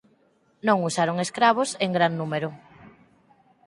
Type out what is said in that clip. Non usaron escravos en gran número.